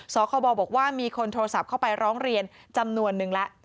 สคบบอกว่ามีคนโทรศัพท์เข้าไปร้องเรียนจำนวนนึงแล้ว